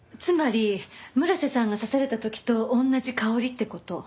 つまり村瀬さんが刺された時と同じ香りって事。